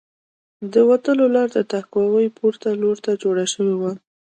د وتلو لاره د تهکوي پورته لور ته جوړه شوې وه